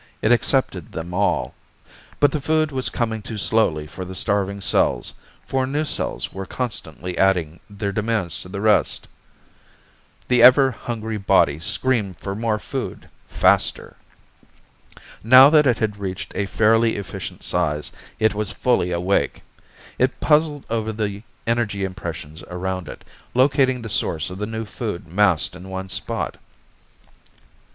It accepted them all. But the food was coming too slowly for the starving cells, for new cells were constantly adding their demands to the rest. The ever hungry body screamed for more food, faster! Now that it had reached a fairly efficient size, it was fully awake. It puzzled over the energy impressions around it, locating the source of the new food massed in one spot.